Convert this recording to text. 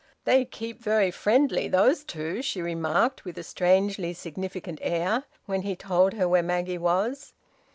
"They keep very friendly those two," she remarked, with a strangely significant air, when he told her where Maggie was.